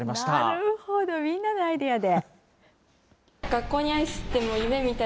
なるほど、みんなのアイデアで。